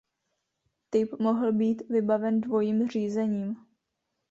Typ mohl být vybaven dvojím řízením.